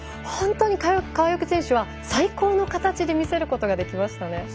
本当に川除選手は、最高の形で見せることができましたね。